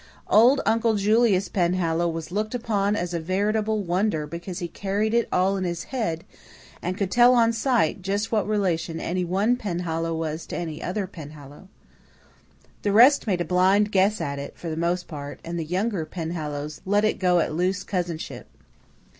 Old Uncle Julius Penhallow was looked upon as a veritable wonder because he carried it all in his head and could tell on sight just what relation any one Penhallow was to any other Penhallow. The rest made a blind guess at it, for the most part, and the younger Penhallows let it go at loose cousinship.